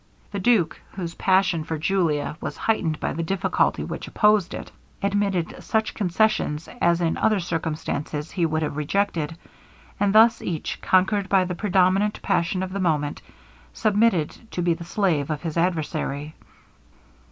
The duke, whose passion for Julia was heightened by the difficulty which opposed it, admitted such concessions as in other circumstances he would have rejected; and thus each, conquered by the predominant passion of the moment, submitted to be the slave of his adversary.